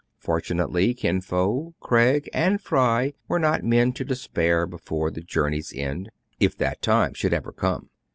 Fortunately Kin Fo, Craig, and Fry were not men to despair before the journey's end, if that time should ever come.